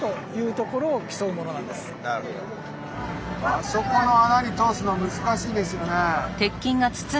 あそこの穴に通すの難しいですよね。